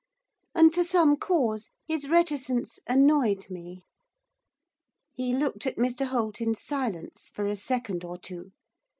And, for some cause, his reticence annoyed me. He looked at Mr Holt in silence for a second or two.